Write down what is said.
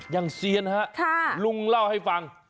อย่างเซียนฮะลุงเล่าให้ฟัง